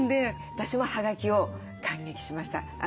私もはがきを感激しました。